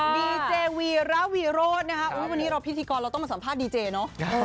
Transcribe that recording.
ดีเจวีระวีโรธนะคะวันนี้เราพิธีกรเราต้องมาสัมภาษณ์ดีเจเนอะ